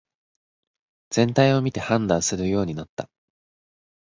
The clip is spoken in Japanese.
全体を見て判断するようになった